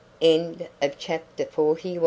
'" CHAPTER FORTY TWO.